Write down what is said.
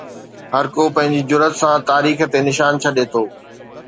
هر ڪو پنهنجي جرئت سان تاريخ تي نشان ڇڏي ٿو.